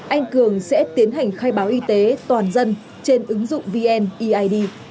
anh cường sẽ tiến hành khai báo y tế toàn dân trên ứng dụng vneid